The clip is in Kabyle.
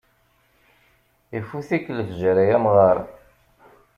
Ifut-ik lefjer ay amɣar.